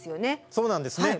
そうなんですね。